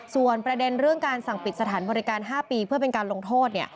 ส่วนประเด็นเรื่องการสั่งปิดสถานบริการ๕ปีเพื่อเป็นการลงโทษ